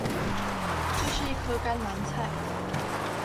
這是一顆甘藍菜